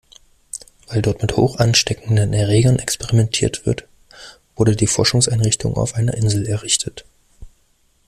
Weil dort mit hochansteckenden Erregern experimentiert wird, wurde die Forschungseinrichtung auf einer Insel errichtet.